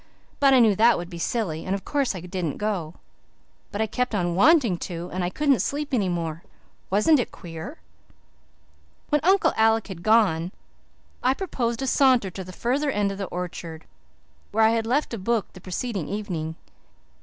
But I knew that would be silly and of course I didn't go. But I kept on wanting to and I couldn't sleep any more. Wasn't it queer?" When Uncle Alec had gone I proposed a saunter to the farther end of the orchard, where I had left a book the preceding evening.